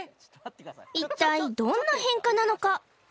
一体どんな変化なのか？